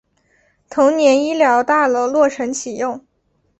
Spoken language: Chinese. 同年医疗大楼落成启用。